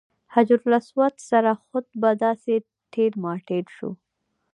حجر اسود سره خو به داسې ټېل ماټېل شو.